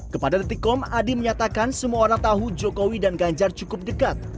kepada detikom adi menyatakan semua orang tahu jokowi dan ganjar cukup dekat